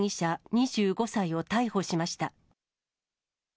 ２５歳を逮捕しました。